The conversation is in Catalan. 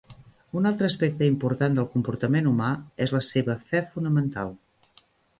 Un altre aspecte important del comportament humà és la seva "fe fonamental".